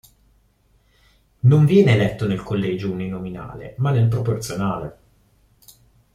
Non viene eletto nel collegio uninominale, ma nel proporzionale.